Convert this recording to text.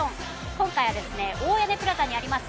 今回は大屋根プラザにあります